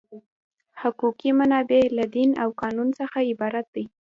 حقوقي منابع له دین او قانون څخه عبارت دي.